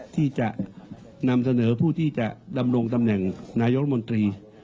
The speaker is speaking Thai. ที่จะนำเสนอผู้ที่จะดำรงตำแหน่งนายกรมนตรี